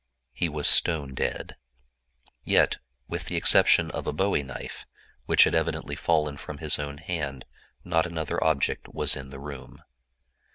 He was stone dead. Yet with the exception of a bowie knife, which had evidently fallen from his own hand, not another object was in the room.